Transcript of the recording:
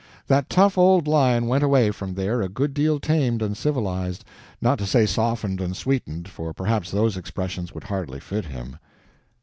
That tough old lion went away from there a good deal tamed and civilized—not to say softened and sweetened, for perhaps those expressions would hardly fit him.